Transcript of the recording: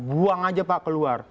buang saja pak keluar